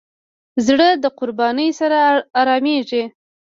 زړه د قربانۍ سره آرامېږي.